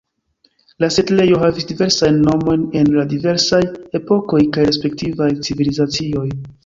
La setlejo havis diversajn nomojn en la diversaj epokoj kaj respektivaj civilizacioj.